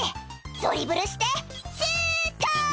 ドリブルしてシュート！」